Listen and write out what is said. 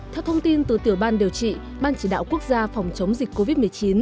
theo thông tin từ tiểu ban điều trị ban chỉ đạo quốc gia phòng chống dịch covid một mươi chín